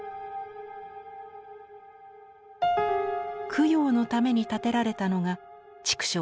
供養のために建てられたのが畜生塚です。